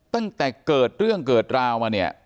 ตั้งแต่เกิดเรื่องเกิดราวมาเนี่ย